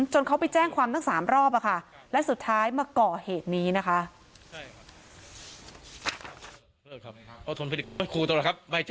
เขาไปแจ้งความตั้ง๓รอบและสุดท้ายมาก่อเหตุนี้นะคะ